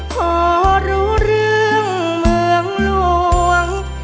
พอรู้เรื่องเมืองหลวง